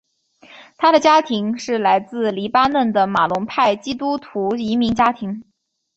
他的家庭是来自黎巴嫩的马龙派基督徒移民家庭。